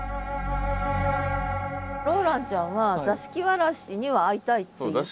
ローランちゃんは座敷わらしには会いたいって言ってる。